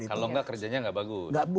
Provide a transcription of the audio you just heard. kalau nggak kerjanya nggak bagus